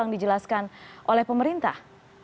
yang dijelaskan oleh pemerintah